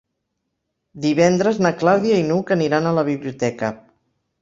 Divendres na Clàudia i n'Hug aniran a la biblioteca.